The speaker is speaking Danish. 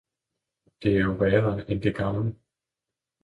– det er jo værre, end det gamle!